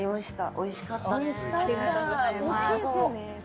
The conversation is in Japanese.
おいしかったね。